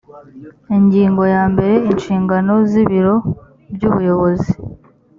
ingingo ya mbere inshingano z ibiro by ubuyobozi